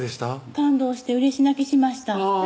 感動してうれし泣きしましたあぁ